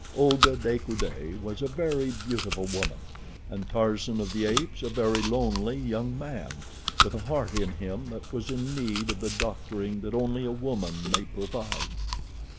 Olga de Coude was a very beautiful woman, and Tarzan of the Apes a very lonely young man, with a heart in him that was in need of the doctoring that only a woman may provide.